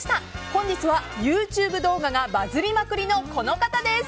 本日はＹｏｕＴｕｂｅ動画がバズりまくりの、この方です。